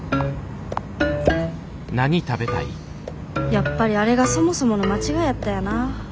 やっぱりあれがそもそもの間違いやったんやな。